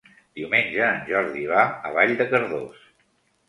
Diumenge en Jordi va a Vall de Cardós.